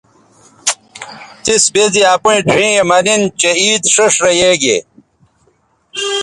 تِس بے زی اپیئں ڙھیئں یے مہ نِن چہء عید ݜیئݜ رے یے گے